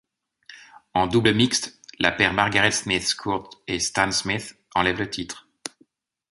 En double mixte, la paire Margaret Smith Court et Stan Smith enlève le titre.